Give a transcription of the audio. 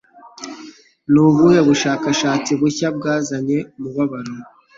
Ni ubuhe bushakashatsi bushya bwazanye umubabaro